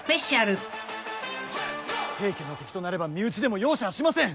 「平家の敵となれば身内でも容赦はしません」